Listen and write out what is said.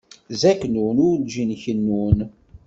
Zaknun urǧin kennun.